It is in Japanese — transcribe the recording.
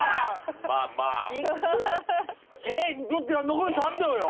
残り３秒よ？